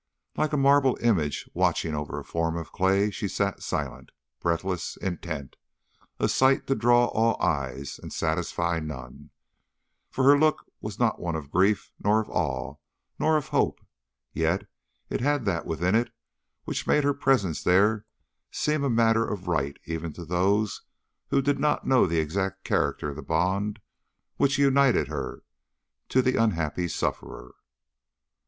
Like a marble image watching over a form of clay she sat silent, breathless, intent a sight to draw all eyes and satisfy none; for her look was not one of grief, nor of awe, nor of hope, yet it had that within it which made her presence there seem a matter of right even to those who did not know the exact character of the bond which united her to the unhappy sufferer.